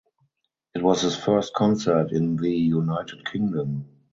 It was his first concert in the United Kingdom.